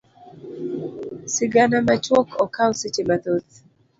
Sigana machuok ok kaw seche mathoth.